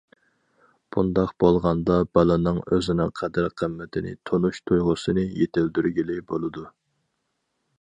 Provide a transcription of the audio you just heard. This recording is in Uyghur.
بۇنداق بولغاندا بالىنىڭ ئۆزىنىڭ قەدىر- قىممىتىنى تونۇش تۇيغۇسىنى يېتىلدۈرگىلى بولىدۇ.